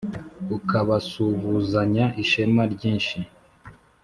Ukabasubuzanya ishema ryinshi